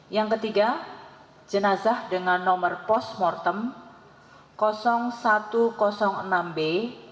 yang ketiga jenazah dengan nomor postmortem satu ratus enam b dari kantong jenazah nomor dvi lion tanjung priuk satu ratus delapan puluh dua